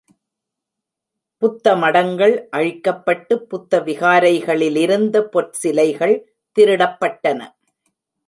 புத்த மடங்கள் அழிக்கப்பட்டுப் புத்த விகாரங்களிலிருந்த பொற்சிலைகள் திருடப்பட்டன.